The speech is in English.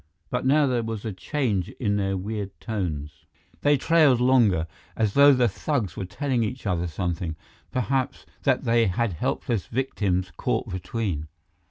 But now there was a change in their weird tones. They trailed longer, as though the thugs were telling each other something, perhaps that they had helpless victims caught between.